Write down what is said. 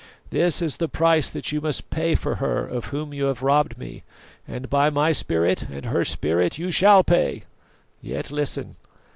This is the price that you must pay for her of whom you have robbed me; and by my spirit and her spirit you shall pay! Yet listen.